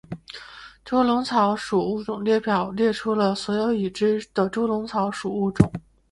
猪笼草属物种列表列出了所有已知的猪笼草属物种。